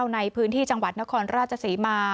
ในพื้นที่จังหวัดนครราชศรีมา